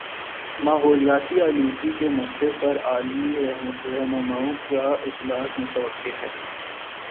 ماحولیاتی آلودگی کے مسئلے پر عالمی رہنماؤں کا اجلاس متوقع ہے